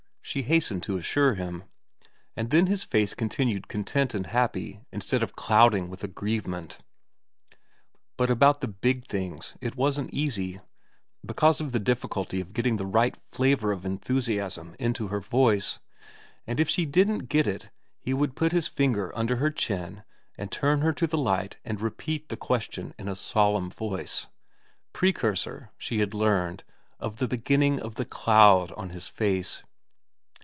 she hastened to assure him ; and then his face continued content and happy instead of clouding with aggrieve ment. But about the big things it wasn't easy, because of the difficulty of getting the right flavour of enthusiasm into her voice, and if she didn't get it in he would put his finger under her chin and turn her to the light and repeat the question in a solemn voice, precursor, she had learned, of the beginning of the cloud on his face.